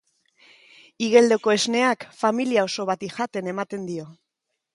Igeldoko Esneak familia oso bati jaten ematen dio